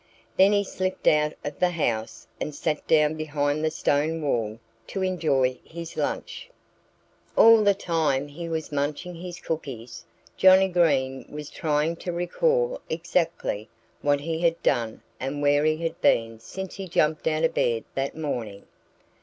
Then he slipped out of the house and sat down behind the stone wall to enjoy his lunch. All the time he was munching his cookies Johnnie Green was trying to recall exactly what he had done and where he had been since he jumped out of bed that morning.